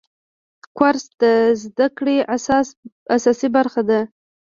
کورس د زده کړې اساسي برخه ده.